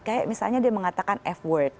kayak misalnya dia mengatakan f work